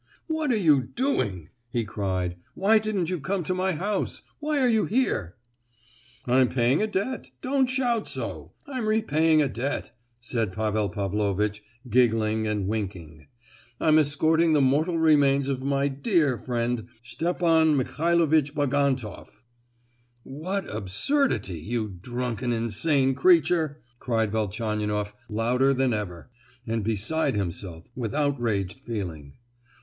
"What are you doing?" he cried. "Why didn't you come to my house? Why are you here?" "I'm paying a debt; don't shout so! I'm repaying a debt," said Pavel Pavlovitch, giggling and winking. "I'm escorting the mortal remains of my dear friend Stepan Michailovitch Bagantoff!" "What absurdity, you drunken, insane creature," cried Velchaninoff louder than ever, and beside himself with outraged feeling.